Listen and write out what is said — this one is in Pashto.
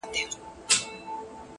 o بلا وهلی يم، چي تا کوم بلا کومه،